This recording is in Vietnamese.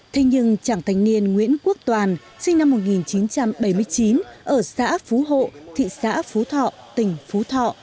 thế nhưng chàng thanh niên nguyễn quốc toàn sinh năm một nghìn chín trăm bảy mươi chín ở xã phú hộ thị xã phú thọ tỉnh phú thọ